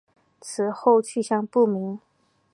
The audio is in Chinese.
此后去向不明。